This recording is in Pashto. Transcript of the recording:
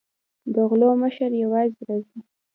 د غلو مشر یوازې راغی.